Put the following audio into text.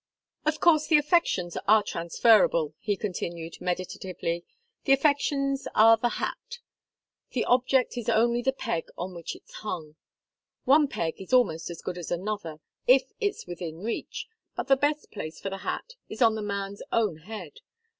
"Of course the affections are transferable," he continued, meditatively. "The affections are the hat the object is only the peg on which it's hung. One peg is almost as good as another if it's within reach; but the best place for the hat is on the man's own head.